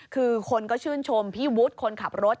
คือคนก็ชื่นชมพี่วุฒิคนขับรถ